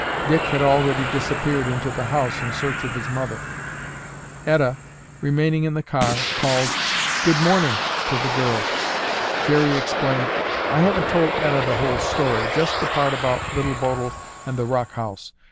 Dick had already disappeared into the house in search of his mother. Etta, remaining in the car, called, "Good morning" to the girls. Jerry explained, "I haven't told Etta the whole story, just the part about Little Bodil and the rock house.